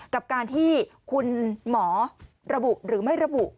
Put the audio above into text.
กับการที่คุณหมอระบุหรือไม่ระบุ